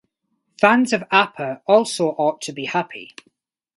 Fans of Apa also ought to be happy.